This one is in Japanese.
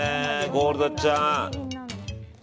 ゴールデンちゃん。